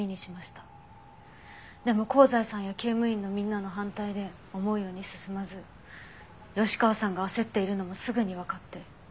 でも香西さんや厩務員のみんなの反対で思うように進まず吉川さんが焦っているのもすぐにわかって。